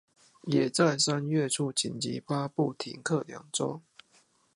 也在三月初緊急宣布停課兩週